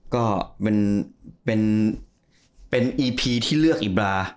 ก็มันเป็นอีพีที่เลือกอีบรา